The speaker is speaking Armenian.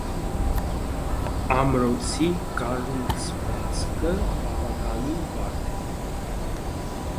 Ամրոցի կառուցվածքը բավականին բարդ է։